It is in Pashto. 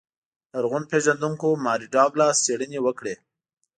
لرغون پېژندونکو ماري ډاګلاس څېړنې وکړې.